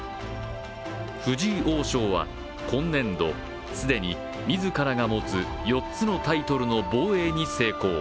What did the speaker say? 藤井王将は今年度、既に自らが持つ４つのタイトルの防衛に成功。